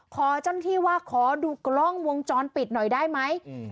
ขอเจ้าหน้าที่ว่าขอดูกล้องวงจรปิดหน่อยได้ไหม